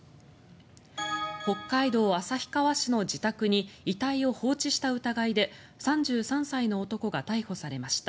北海道旭川市の自宅に遺体を放置した疑いで３３歳の男が逮捕されました。